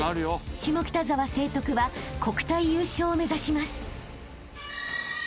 ［下北沢成徳は国体優勝を目指します］